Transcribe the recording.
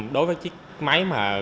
đối với chiếc máy tự động